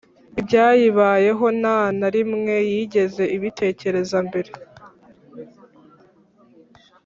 ibyayibayeho, nta na rimwe yigeze ibitekereza mbere;